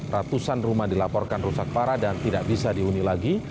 ratusan rumah dilaporkan rusak parah dan tidak bisa dihuni lagi